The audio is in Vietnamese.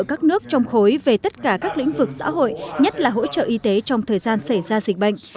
các nước trong khối về tất cả các lĩnh vực xã hội nhất là hỗ trợ y tế trong thời gian xảy ra dịch bệnh